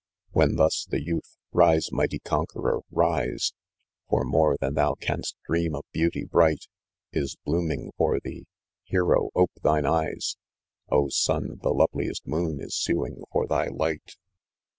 When thus the youth, ' rise nigSj!T«onqueror, rise . For more thin thou canst dream" of beauty bright Is blooming for thee ! Hero, ope thine eyes ! Oh, sun, the loveliest moon is suing for thy light